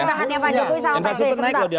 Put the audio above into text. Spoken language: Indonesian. pemberantahannya pak jokowi sama pak sby